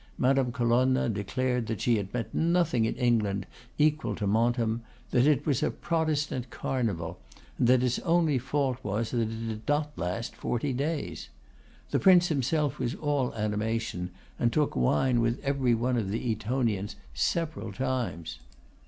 Madame Colonna declared that she had met nothing in England equal to Montem; that it was a Protestant Carnival; and that its only fault was that it did not last forty days. The Prince himself was all animation, and took wine with every one of the Etonians several times.